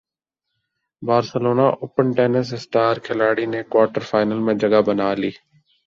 Barcelona open tennis star کھلاڑی نے quarter final میں جگہ بنا لی